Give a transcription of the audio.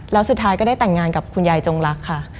แล้วสุดท้ายก็ได้แต่งงานกับคุณยายจงรักค่ะ